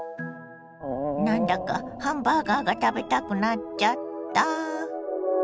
なんだかハンバーガーが食べたくなっちゃった。